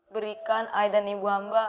berikan ayah dan ibu hamba